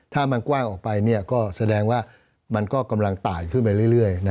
ถ้ามันกว้างออกไปก็แสดงว่ามันก็กำลังต่างขึ้นไปเรื่อย